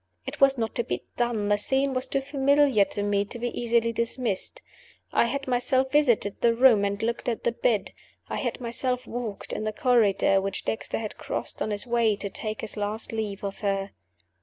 It was not to be done: the scene was too familiar to me to be easily dismissed. I had myself visited the room and looked at the bed. I had myself walked in the corridor which Dexter had crossed on his way to take his last leave of her.